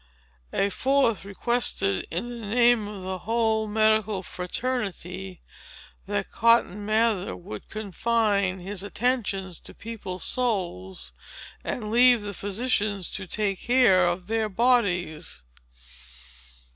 A fourth requested, in the name of the whole medical fraternity, that Cotton Mather would confine his attention to people's souls, and leave the physicians to take care of their bodies.